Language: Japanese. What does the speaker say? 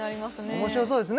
面白そうですね